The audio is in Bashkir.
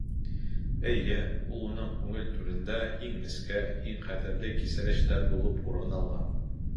Эйе, ул уның күңел түрендә иң нескә, иң ҡәҙерле кисерештәр булып урын алған.